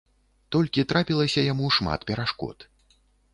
Толькі трапілася яму шмат перашкод.